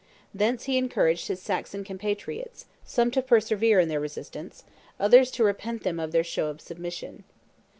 Thence he encouraged his Saxon compatriots, some to persevere in their resistance, others to repent them of their show of submission.